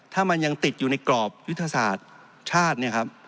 ถ้ามันยังติดอยู่ในกรอบยุทธศาสตร์ชาติเนี่ยครับ